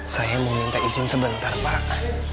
saya mau minta izin sebentar pak